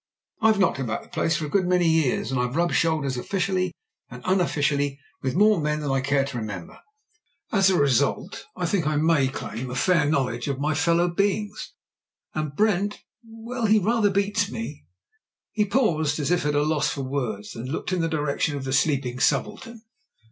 I have knocked about the place for a good many years, and I have rubbed shoulders, officially and unofficially, with more men than I care to remember. As a result, I think I may claim a JIM BRENT'S V.C 125 fair knowledge of my fellow beings. And Brent — well, he rather beats me." He paused as if at a loss for words, and looked in the direction of the sleeping subaltern.